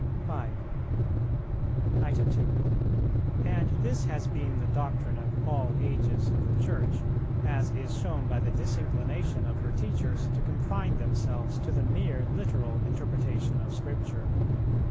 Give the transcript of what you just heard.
5. 2. And this has been the doctrine of all ages of the Church, as is shown by the disinclination of her teachers to confine themselves to the mere literal interpretation of Scripture.